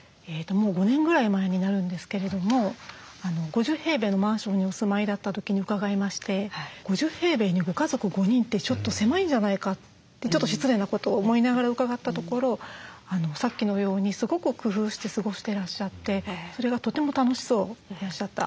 もう５年ぐらい前になるんですけれども５０のマンションにお住まいだった時に伺いまして５０にご家族５人ってちょっと狭いんじゃないかってちょっと失礼なことを思いながら伺ったところさっきのようにすごく工夫して過ごしてらっしゃってそれがとても楽しそうでいらっしゃった。